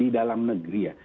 di dalam negeri ya